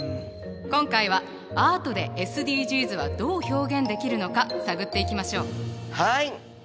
今回はアートでＳＤＧｓはどう表現できるのか探っていきましょう。